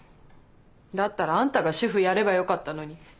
だったらあんたが主夫やればよかったのに。